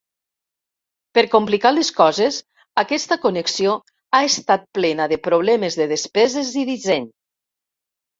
Per complicar les coses, aquesta connexió ha estat plena de problemes de despeses i disseny.